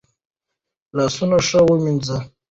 لاسونه ښه ومینځه.